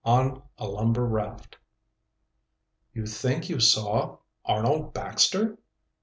ON A LUMBER RAFT. "You think you saw Arnold Baxter?"